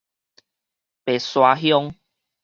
白沙鄉